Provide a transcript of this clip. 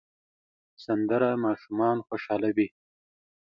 سندره ماشومان خوشحالوي